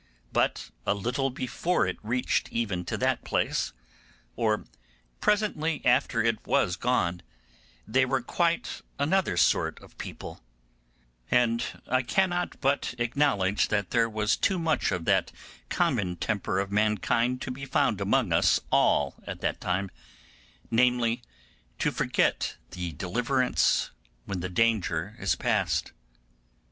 But a little before it reached even to that place, or presently after it was gone, they were quite another sort of people; and I cannot but acknowledge that there was too much of that common temper of mankind to be found among us all at that time, namely, to forget the deliverance when the danger is past.